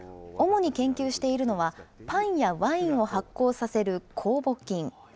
主に研究しているのは、パンやワインを発酵させる酵母菌。